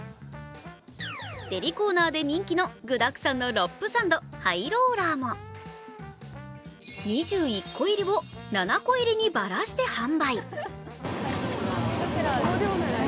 デリコーナーで人気の具だくさんなラップサンドハイローラーも、２１個入りを７個入りにばらして販売。